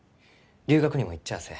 留学にも行っちゃあせん。